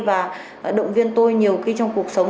và động viên tôi nhiều khi trong cuộc sống